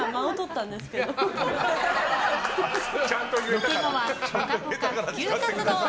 ロケ後は「ぽかぽか」普及活動。